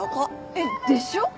えっでしょ！？